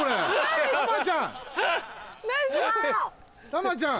珠ちゃん。